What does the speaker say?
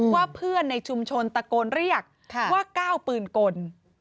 ว่าเพื่อนในชุมชนตะโกนเรียกว่าก้าวปืนกล